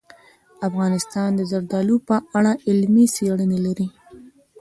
افغانستان د زردالو په اړه علمي څېړنې لري.